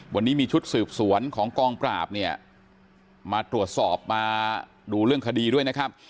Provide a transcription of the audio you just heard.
วันนี้มีชุดสืบสวนของกองปราบเนี่ยมาตรวจสอบมาดูเรื่องคดีด้วยนะครับ